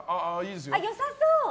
良さそう！